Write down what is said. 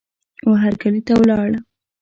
وهرکلې ته ولاړ